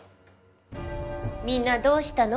みんなどうしたの？